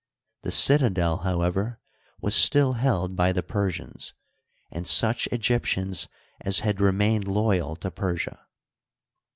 The citadel, however, was still held by the Persians, and such Egyptians as had remained loyal to Persia.